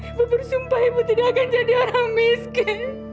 ibu bersumpah ibu tidak akan jadi orang miskin